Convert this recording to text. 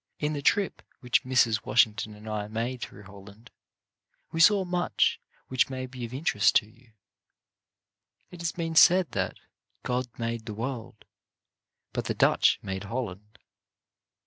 In the trip which Mrs. Washington and I made through Holland, we saw much which may be of interest to you. It has been said that, God made the world, but the Dutch made Holland.